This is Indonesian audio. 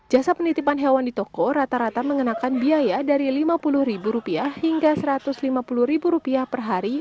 jasa penitipan hewan di toko rata rata mengenakan biaya dari rp lima puluh hingga rp satu ratus lima puluh per hari